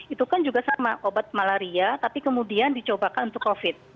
itu kan juga sama obat malaria tapi kemudian dicobakan untuk covid